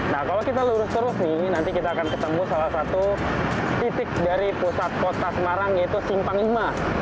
nah kalau kita lurus terus nih nanti kita akan ketemu salah satu titik dari pusat kota semarang yaitu simpang v